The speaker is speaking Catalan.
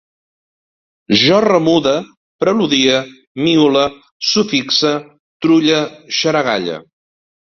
Jo remude, preludie, miule, sufixe, trulle, xaragalle